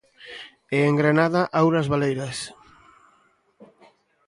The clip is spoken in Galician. E en Granada, aulas baleiras.